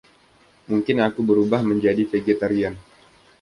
Mungkin aku berubah menjadi vegetarian.